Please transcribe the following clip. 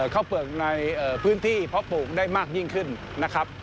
ข้าวเปลือกในพื้นที่เพราะปลูกได้มากยิ่งขึ้นนะครับ